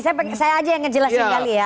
saya aja yang ngejelasin kali ya